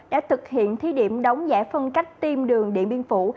đã thực hiện thí điểm đóng giải phân cách tiêm đường điện biên phủ